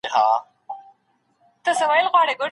د بدن روغتیا لپاره پاکې اوبه په هر وخت کي څښئ.